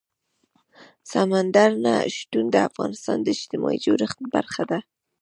سمندر نه شتون د افغانستان د اجتماعي جوړښت برخه ده.